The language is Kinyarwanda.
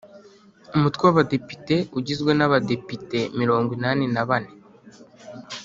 Umutwe w’Abadepite ugizwe n’Abadepite mirongo inani na bane